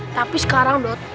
tapi sekarang do